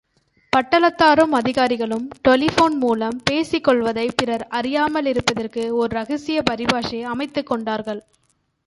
பட்டாளத்தாரும் அதிகாரிகளும் டெலிபோன்மூலம் பேசிக் கொள்வதைப் பிறர் அறியாமலிருப்பதற்கு ஓர் இரகசிய பரிபாஷையை அமைத்துக் கொண்டார்கள்.